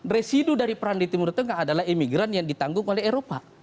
residu dari perang di timur tengah adalah imigran yang ditanggung oleh eropa